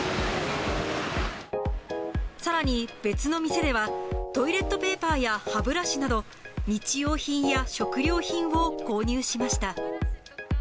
さらに、別の店では、トイレットペーパーや歯ブラシなど、日用品や食料品を購入しました。